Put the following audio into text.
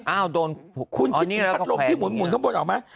โดนคุณคิดถึงพัดลมที่หมุนข้างบนออกไหม